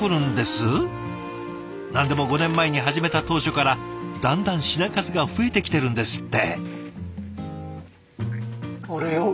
何でも５年前に始めた当初からだんだん品数が増えてきてるんですって。